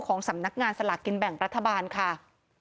สำนักงานสลากกินแบ่งรัฐบาลค่ะ